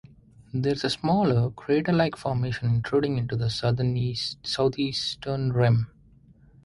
There is a smaller, crater-like formation intruding into the southeastern rim.